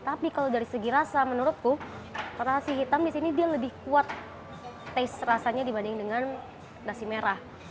tapi kalau dari segi rasa menurutku nasi hitam di sini dia lebih kuat taste rasanya dibanding dengan nasi merah